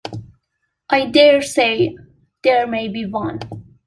I dare say there may be one.